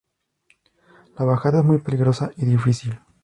La bajada es muy peligrosa y difícil.